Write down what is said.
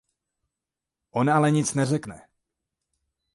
On ale nic neřekne.